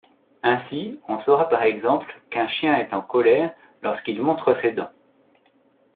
Ainsi, on saura par exemple qu'un chien est en colère lorsqu'il montre ses dents.